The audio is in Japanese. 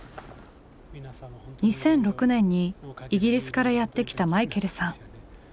２００６年にイギリスからやって来たマイケルさん。